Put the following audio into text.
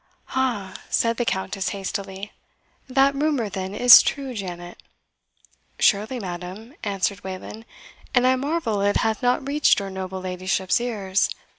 "Ha!" said the Countess hastily; "that rumour, then, is true, Janet." "Surely, madam," answered Wayland; "and I marvel it hath not reached your noble ladyship's ears.